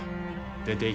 出ていけ。